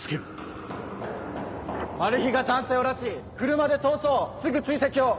マルヒが男性を拉致車で逃走すぐ追跡を。